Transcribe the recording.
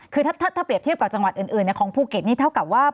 คือถ้าเปรียบเทียบกับจังหวัดอื่นของภูเก็ตนี่เท่ากับว่า